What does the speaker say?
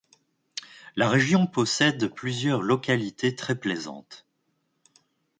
La région possède plusieurs localités très plaisantes.